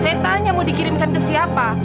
saya tanya mau dikirimkan ke siapa